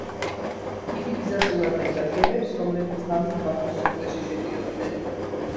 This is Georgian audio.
იგი გზას უნათებდა გემებს, რომლებიც ღამით ბაქოს სრუტეში შედიოდნენ.